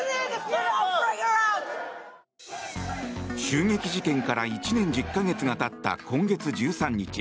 襲撃事件から１年１０か月が経った今月１３日。